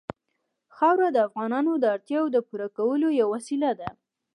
خاوره د افغانانو د اړتیاوو د پوره کولو یوه وسیله ده.